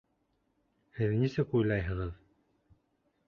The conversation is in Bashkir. Һеҙ нисек уйлайһығыҙ?